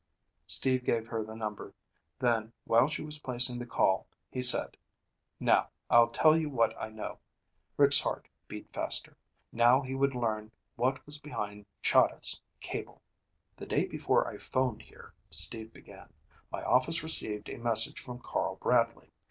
Steve gave her the number. Then, while she was placing the call, he said, "Now, I'll tell you what I know." Rick's heart beat faster. Now he would learn what was behind Chahda's cable! "The day before I phoned here," Steve began, "my office received a message from Carl Bradley.